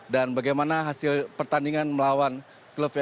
dan bagaimana hasil pertandingan melawan t minus rover